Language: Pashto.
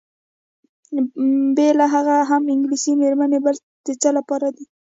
بېله هغه هم انګلیسۍ میرمنې بل د څه لپاره دي؟